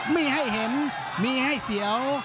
มีให้เห็นมีให้เสียว